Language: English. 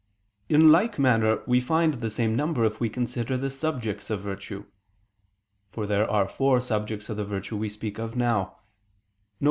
In like manner, we find the same number if we consider the subjects of virtue. For there are four subjects of the virtue we speak of now: viz.